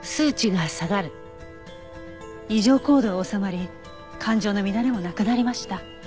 異常行動は収まり感情の乱れもなくなりました。